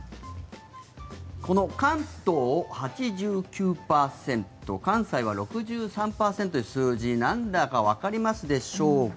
この、関東８９％関西は６３％という数字なんだかわかりますでしょうか。